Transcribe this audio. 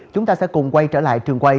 chúng ta sẽ cùng quay trở lại trường quay